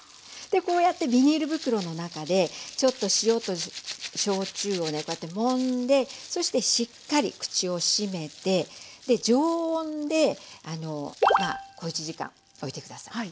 でこうやってビニール袋の中でちょっと塩と焼酎をねこうやってもんでそしてしっかり口を閉めて常温で小一時間おいて下さい。